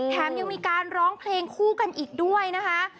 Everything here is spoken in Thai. แถมยังมีการร้องเพลงคู่กันอีกด้วยนะคะ